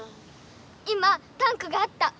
いまタンクがあった。